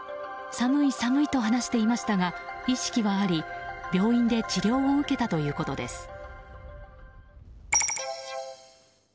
寒い、寒いと話していましたが意識はあり病院で治療を受けたということです。